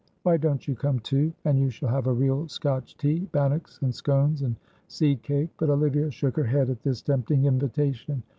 Why don't you come too, and you shall have a real Scotch tea, bannocks and scones and seed cake," but Olivia shook her head at this tempting invitation.